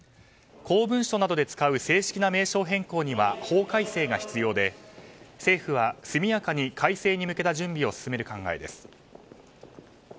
公文書などで使う正式な名称変更には法改正が必要で政府は速やかに改正に向けた準備を進める考えです。